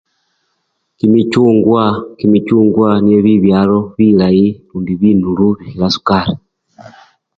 Kimichungwa! kimichungwa nibyo bibyalo binulu lundi bikhila sukali.